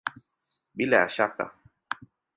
Bila ya shaka!